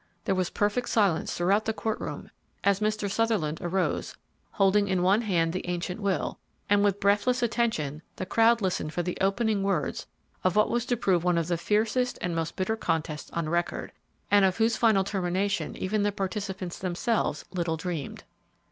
There was perfect silence throughout the court room as Mr. Sutherland arose, holding in one hand the ancient will, and with breathless attention the crowd listened for the opening words of what was to prove one of the fiercest and most bitter contests on record, and of whose final termination even the participants themselves little dreamed.